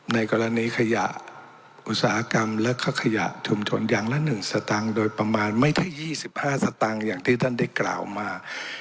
ในกรณีขยะอุตสาหกรรมและขยะชุมชนอย่างละ๑สตางค์โดยประมาณไม่ถึง๒๕สตางค์อย่างที่ท่านได้กล่าวมา